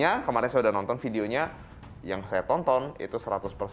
jadi kemarin saya sudah nonton videonya yang saya tonton itu seratus terus